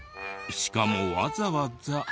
しかもわざわざ。